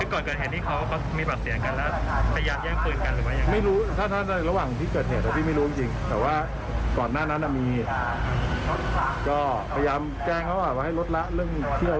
ก็พยายามแกล้งเขาว่าว่าให้รถละเรื่องเที่ยว